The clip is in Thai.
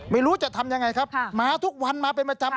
ไม่รู้จะทำยังไงครับมาทุกวันมาเป็นประจำ